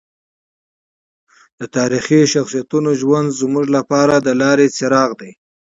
د تاریخي شخصیتونو ژوند زموږ لپاره د لارې مشال دی.